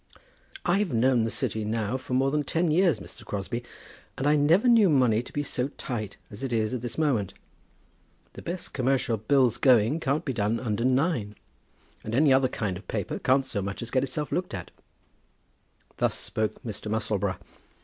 "I've known the City now for more than ten years, Mr. Crosbie, and I never knew money to be so tight as it is at this moment. The best commercial bills going can't be done under nine, and any other kind of paper can't so much as get itself looked at." Thus spoke Mr. Musselboro.